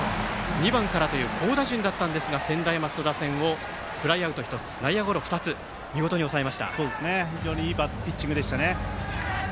２番からという好打順だったんですが専大松戸打線をフライアウト１つ内野ゴロ２つと非常にいいピッチングでした。